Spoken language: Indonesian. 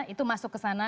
itu masuk ke sana